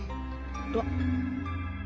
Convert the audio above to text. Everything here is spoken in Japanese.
あっ。